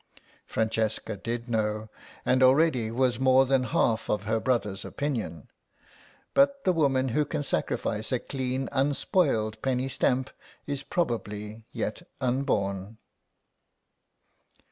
Francesca did know, and already was more than half of her brother's opinion; but the woman who can sacrifice a clean unspoiled penny stamp is probably yet unborn.